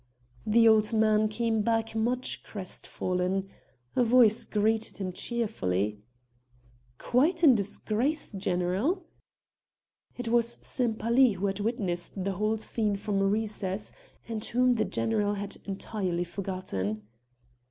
The old man came back much crest fallen. A voice greeted him cheerfully: "Quite in disgrace, general!" It was Sempaly, who had witnessed the whole scene from a recess, and whom the general had entirely forgotten.